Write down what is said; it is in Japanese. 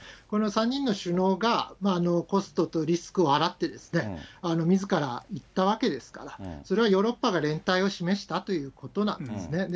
この３人の首脳がコストとリスクを払ってみずから行ったわけですから、それはヨーロッパが連帯を示したということなんですね。